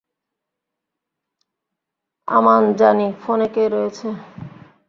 আমান জানি ফোনে কে রয়েছে।